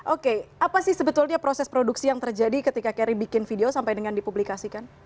oke apa sih sebetulnya proses produksi yang terjadi ketika carry bikin video sampai dengan dipublikasikan